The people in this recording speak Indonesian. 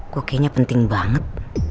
gue kayaknya penting banget